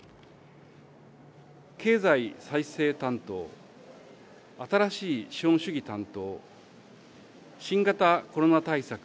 経済再生担当、新しい資本主義担当、新型コロナ対策